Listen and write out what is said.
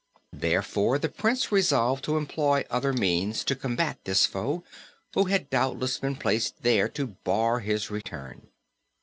Therefore the Prince resolved to employ other means to combat this foe, who had doubtless been placed there to bar his return.